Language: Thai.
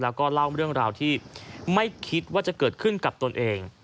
แล้วก็เล่าเรื่องราวที่ไม่คิดว่าจะเกิดขึ้นกับตนเอง